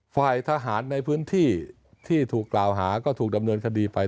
ฝ่ายทหารในพื้นที่ที่ถูกกล่าวหาก็ถูกดำเนินคดีไป